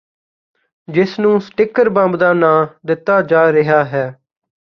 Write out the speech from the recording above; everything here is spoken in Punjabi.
ਜਿਸ ਨੂੰ ਸਟਿੱਕਰ ਬੰਬ ਦਾ ਨਾਂ ਦਿੱਤਾ ਜਾ ਰਿਹਾ ਹੈ